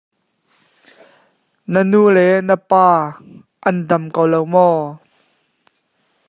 Na nulepa an dam ko lo maw?